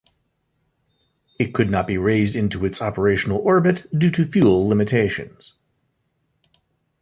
It could not be raised into its operational orbit due to fuel limitations.